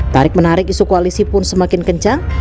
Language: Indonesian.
tarik menarik isu koalisi pun semakin kencang